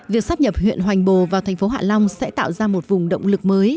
việc sắp nhập huyện hoành bồ vào thành phố hạ long sẽ tạo ra một vùng động lực mới